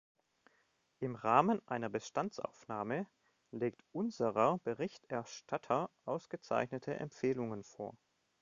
Im Rahmen einer Bestandsaufnahme legt unserer Berichterstatter ausgezeichnete Empfehlungen vor.